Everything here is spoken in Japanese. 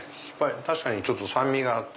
確かにちょっと酸味があって。